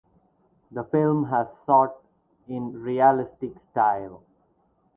The film has shot in realistic style.